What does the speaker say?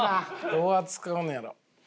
どう扱うんやろう？